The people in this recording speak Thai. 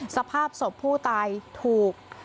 สภาพศพผู้ตายถูก